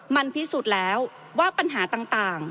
มันพิสูจน์แล้วว่าปัญหาต่าง